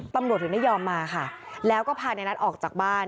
ตำรวจถึงไม่ยอมมาค่ะแล้วก็พาในนัทออกจากบ้าน